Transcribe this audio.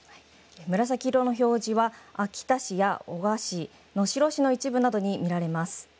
紫色の表示は秋田市や男鹿市、能代市の一部などに見られます。